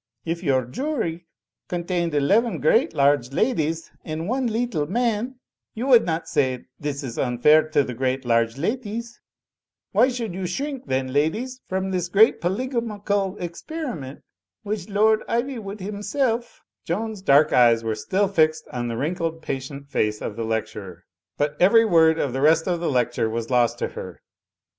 If your jury contained eleven great large ladies and one leetle man you wotild not say 'this is unfair to the great large ladies/ Why shotild you shrink, then, ladies, from this great polygamical experiment which Lord Iv3rwood himself —*' Joan's dark eyes were still fixed on the wrinkled, patient face of the lecturer, but every word of the rest of the lecture was lost to her.